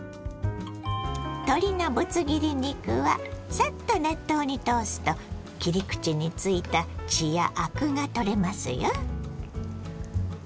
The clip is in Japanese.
鶏のブツ切り肉はサッと熱湯に通すと切り口についた血やアクが取れますよ。